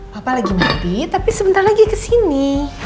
papa lagi mati tapi sebentar lagi kesini